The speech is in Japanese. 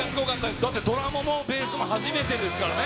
だって、ドラムもベースも初めてですからね。